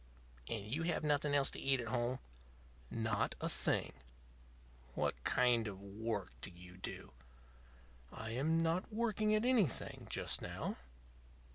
"And you have nothing else to eat at home?" "Not a thing." "What kind of work do you do?" "I am not working at anything just now."